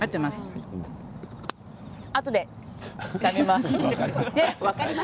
あとで食べます。